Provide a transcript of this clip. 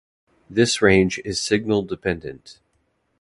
This range is signal dependent.